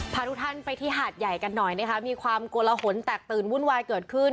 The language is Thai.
พาทุกท่านไปที่หาดใหญ่กันหน่อยนะคะมีความโกละหนแตกตื่นวุ่นวายเกิดขึ้น